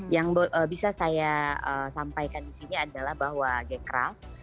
yang bisa saya sampaikan disini adalah bahwa g craft